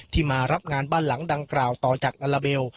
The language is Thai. มารับงานบ้านหลังดังกล่าวต่อจากอัลลาเบล